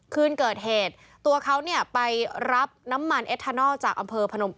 คืนเกิดเหตุตัวเขาเนี่ยไปรับน้ำมันเอทานอลจากอำเภอพนม